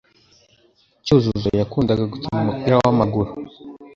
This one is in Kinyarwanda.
Cyuzuzo yakundaga gukina umupira w'amaguru,